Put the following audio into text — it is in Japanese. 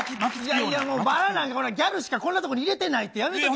いやいや、もうバラなんか、ギャルしかこんなとこ入れてないって、やめとけ。